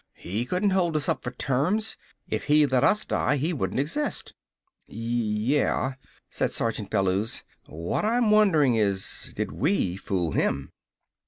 He couldn't hold us up for terms! If he let us die he wouldn't exist!" "Y yeah," said Sergeant Bellews. "What I'm wonderin' is, did we fool him?"